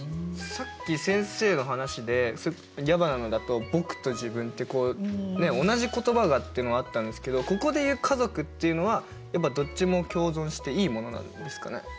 さっき先生の話で矢花のだと「僕」と「自分」って同じ言葉がっていうのがあったんですけどここでいう「家族」っていうのはどっちも共存していいものなんですかね。